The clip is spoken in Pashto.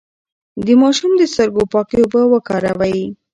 د ماشوم د سترګو پاکې اوبه وکاروئ.